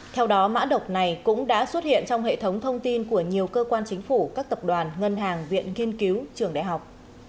theo đó mã độc này cũng đã xuất hiện trong hệ thống thông tin của nhiều cơ quan chính phủ các tập đoàn ngân hàng viện nghiên cứu trường đại học